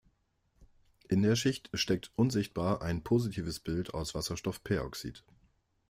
In der Schicht steckt unsichtbar ein positives Bild aus Wasserstoffperoxid.